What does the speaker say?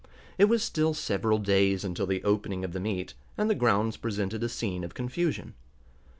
It was still several days until the opening of the meet, and the grounds presented a scene of confusion.